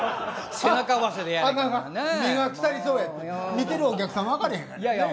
見てるお客さん分からへんがな。